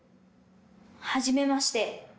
はじめまして。